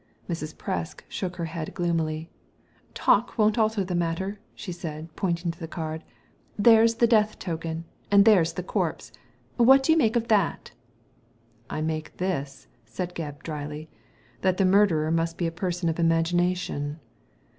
Mrs. Presk shook her head gloomily. " Talk won't alter the matter !" she said, pointing to the card. "There's the death token, and there's the corpse; what do you make of that ?"" I make this," said Gebb, dryly ; "that the mur derer must be a person of imagination."